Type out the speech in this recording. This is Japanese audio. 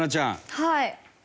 はい。